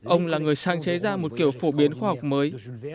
ông là người sáng chế ra một kiểu phổ biến khoa học mới